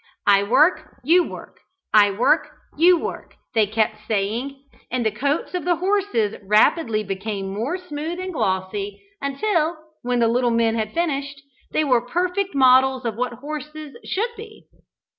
"I work you work, I work you work," they kept saying, and the coats of the horses rapidly became more smooth and glossy, until, when the little men had finished, they were perfect models of what horses should be.